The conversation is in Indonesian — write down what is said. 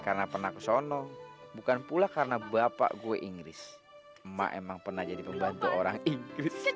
karena pernah ke sono bukan pula karena bapak gue inggris emak emang pernah jadi pembantu orang inggris